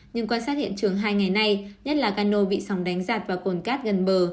nhưng quan sát hiện trường hai ngày nay nhất là cano bị sóng đánh giặt và cồn cát gần bờ